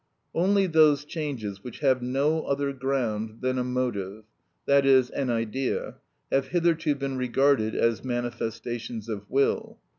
Only those changes which have no other ground than a motive, i.e., an idea, have hitherto been regarded as manifestations of will.